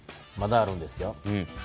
まだあるんですよ。